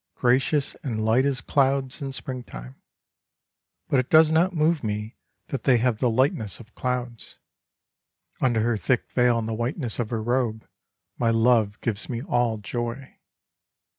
Gracious and light as clouds in Spring time ; But it does not move me that they have the lightness of clouds — Under her thick veil and the whiteness of her robe, my love gives me all joy.